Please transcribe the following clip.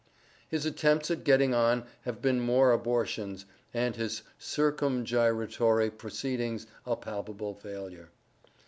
"His attempts at getting on have been mere abortions, and his circumgyratory proceedings a palpable failure.